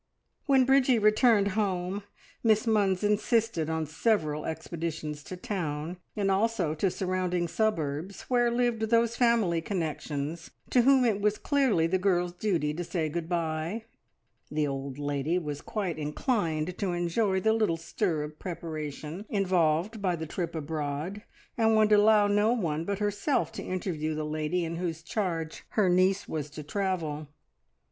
When Bridgie returned home, Miss Munns insisted on several expeditions to town, and also to surrounding suburbs, where lived those family connections to whom it was clearly the girl's duty to say good bye. The old lady was quite inclined to enjoy the little stir of preparation involved by the trip abroad, and would allow no one but herself to interview the lady in whose charge her niece was to travel.